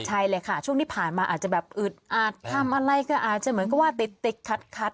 ใช่เลยค่ะช่วงที่ผ่านมาอาจจะแบบอึดอาจทำอะไรก็อาจจะเหมือนกับว่าติดติดขัด